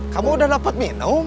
kamu sudah dapat minum